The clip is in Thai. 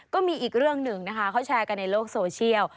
ก็มีอีกเรื่องหนึ่งนะคะเขาแชร์กันในโลกโซเชียล